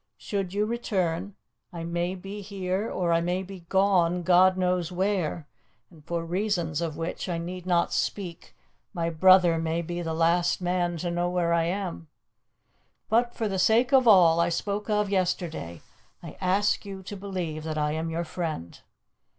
Should you return, I may be here or I may be gone God knows where, and for reasons of which I need not speak, my brother may be the last man to know where I am. But for the sake of all I spoke of yesterday, I ask you to believe that I am your friend.